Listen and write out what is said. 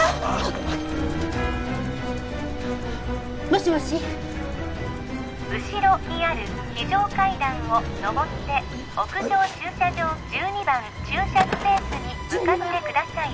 もしもし後ろにある非常階段を上って屋上駐車場１２番駐車スペースに向かってください